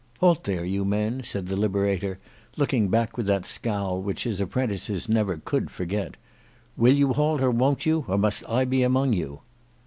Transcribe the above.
Halt there, you men," said the Liberator looking back with that scowl which his apprentices never could forget. "Will you halt or won't you? or must I be among you?"